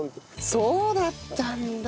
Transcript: そうだったんだ。